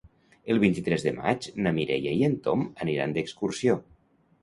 El vint-i-tres de maig na Mireia i en Tom aniran d'excursió.